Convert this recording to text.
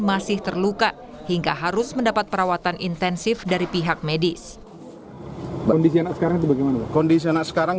masih terluka hingga harus mendapat perawatan intensif dari pihak medis kondisi anak sekarang